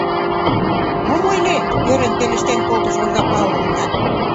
Мом ойлет! — ӧрын пелештен колтыш Ольга Павловна.